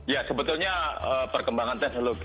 ya sebetulnya perkembangan teknologi